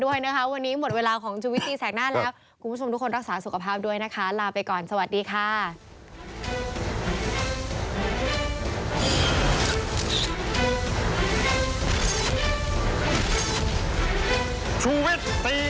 ว่ามันจะเสร็จเร็วขึ้น